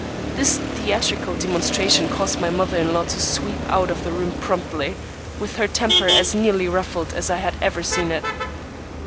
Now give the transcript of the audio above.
This theatrical demonstration caused my mother in law to sweep out of the room promptly, with her temper as nearly ruffled as I had ever seen it.